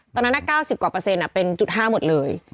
ตอนนั้น๙๐กว่าเปอร์เซ็นต์เป็นจุด๕หมดเลย